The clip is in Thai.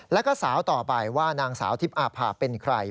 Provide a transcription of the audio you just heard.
แล้วก็สาวต่อไปว่านางสาวทิพย์อาภาเป็นใคร